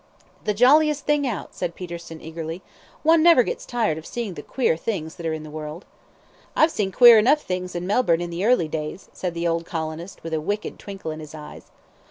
"The jolliest thing out," said Peterson, eagerly. "One never gets tired of seeing the queer things that are in the world." "I've seen queer enough things in Melbourne in the early days," said the old colonist, with a wicked twinkle in his eyes.